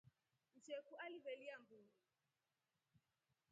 Msheku aliveelya mburu.